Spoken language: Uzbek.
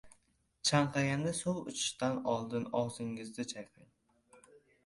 Chanqaganda, suv ichishdan oldin og‘zingizni chayqang;